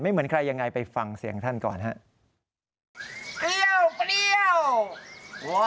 เหมือนใครยังไงไปฟังเสียงท่านก่อนครับ